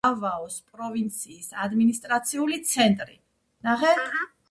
დავაოს პროვინციის ადმინისტრაციული ცენტრი.